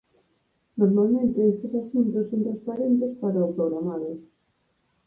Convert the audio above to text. Normalmente estes asuntos son transparentes para o programados.